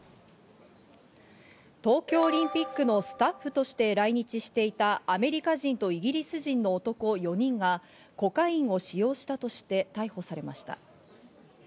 東京オリンピックのスタッフとして来日していたアメリカ人とイギリス人の男４人がコカインを使用したとして逮捕されました。